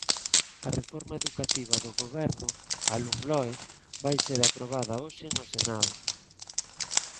A reforma educativa do Goberno, a Lomloe, vai ser aprobada hoxe no Senado.